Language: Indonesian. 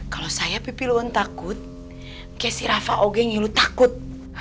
kalau saya pipi lo takut kek si rafa ogeny lo takut